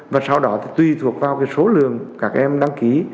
và sau đó thì tùy thuộc vào số lượng các em đăng ký